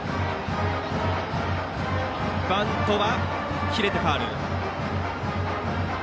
バントは切れてファウル。